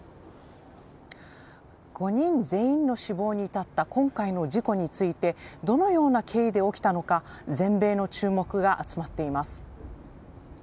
５人全員の死亡に至った今回の事故についてどのような経緯で起きたのか全米の注目が集まっています。